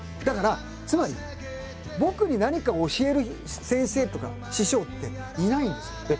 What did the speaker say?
だからつまり僕に何か教える先生とか師匠っていないんですよ。